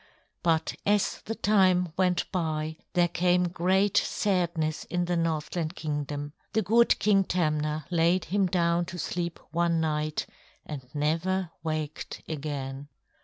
But as the time went by there came great sadness in the Northland Kingdom. The good King Tamna laid him down to sleep one night and never waked again.